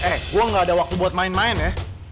eh gue gak ada waktu buat main main ya